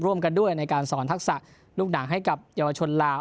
ร่วมกันด้วยในการสอนทักษะลูกหนังให้กับเยาวชนลาว